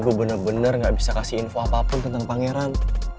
gue bener bener gak bisa kasih info apapun tentang pangeran